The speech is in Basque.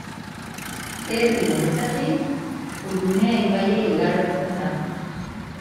Herri honetatik Urumea ibaia igarotzen da.